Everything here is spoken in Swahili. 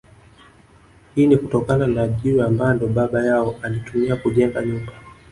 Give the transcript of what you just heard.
Hii ni kutokana na jiwe ambalo baba yao alitumia kujenga nyumba